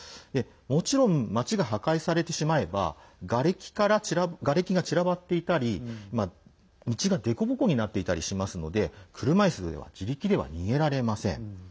もちろん街が破壊されてしまえばがれきが散らばっていたり道が凸凹になっていたりしますので車いすでは自力では逃げられません。